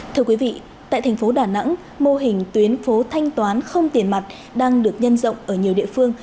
thưa quý vị tại thành phố đà nẵng mô hình tuyến phố thanh toán không tiền mặt đang được nhân rộng ở nhiều địa phương